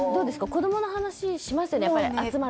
子供の話しますよね？